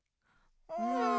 うん。